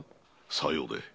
さようで。